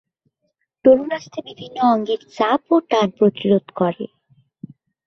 তরুণাস্থি বিভিন্ন অঙ্গের চাপ ও টান প্রতিরোধ করে।